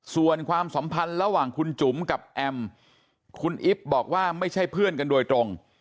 ส่วนความสัมพันธ์ระหว่างคุณจุ๋มกับแอมคุณอิ๊บบอกว่าไม่ใช่เพื่อนกันโดยตรง